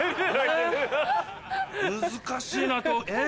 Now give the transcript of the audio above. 難しいなえ？